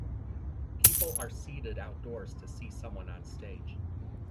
People are seated outdoors to see someone on stage.